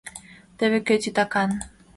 Теве кӧ титакан.